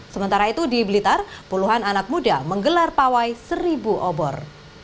sementara itu di blitar puluhan anak muda menggelar pawai seribu obor